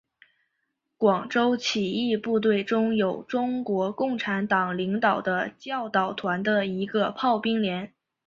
广州起义部队中有中国共产党领导的教导团的一个炮兵连。